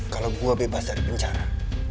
kalau gue bebas dari penjara